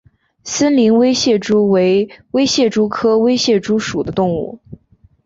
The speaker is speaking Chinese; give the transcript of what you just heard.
森林微蟹蛛为蟹蛛科微蟹蛛属的动物。